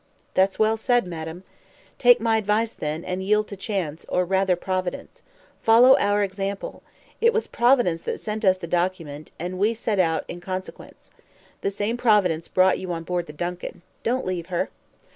"That's well said, madam." "Take my advice, then, and yield to chance, or rather providence. Follow our example. It was providence that sent us the document, and we set out in consequence. The same providence brought you on board the DUNCAN. Don't leave her."